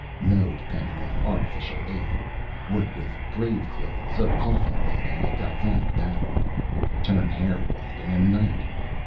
No depending on artificial aid. Work with grave clothes, a coffin lid, and a galvanic battery. Turn hair white in a night."